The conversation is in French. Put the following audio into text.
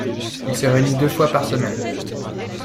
Il se réunit deux fois par semaine.